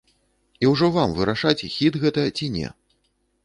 І ўжо вам вырашаць, хіт гэта, ці не.